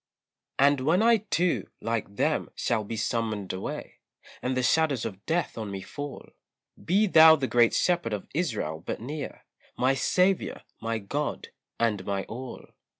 And when I too, like them, shall be summoned away, And the shadows of death on me fall, Be thou the Great Shepherd of Israel but near, My Saviour, my God, and my all.